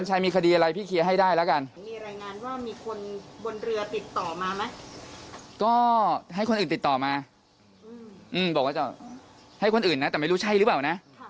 ถ้ามีถึง๕๐๐๐ล้านค่อยมาคุยกัน